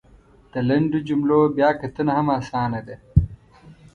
د لنډو جملو بیا کتنه هم اسانه ده !